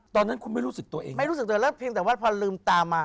ตอนนั้นคุณไม่รู้สึกตัวเองไม่รู้สึกตัวแล้วเพียงแต่ว่าพอลืมตามา